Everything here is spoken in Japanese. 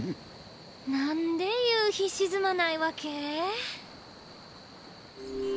なんで夕日沈まないわけ？